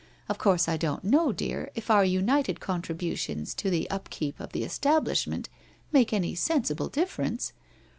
Of course I don't know, dear, if our united contributions to the upkeep of the establishment make any sensible dif ference?